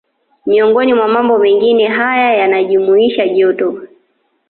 Miongoni mwa mambo mengine haya yanajumuisha joto